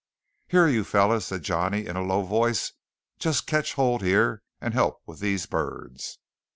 "Here, you fellows," said Johnny in a low voice, "just catch hold here and help with these birds."